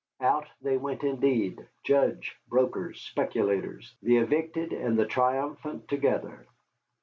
Out they went indeed, judge, brokers, speculators the evicted and the triumphant together.